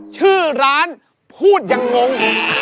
ชื่อร้านพูดยังงง